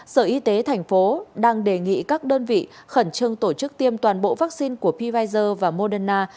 sở y tế tp hcm đang đề nghị các đơn vị khẩn trương tổ chức tiêm toàn bộ vaccine của pfizer và moderna